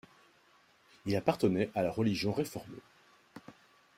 Il appartenait à la religion réformée.